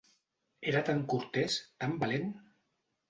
Era tan cortès, tan valent!